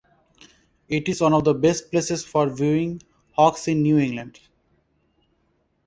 It is one of the best places for viewing hawks in New England.